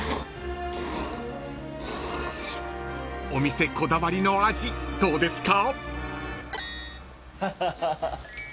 ［お店こだわりの味どうですか？］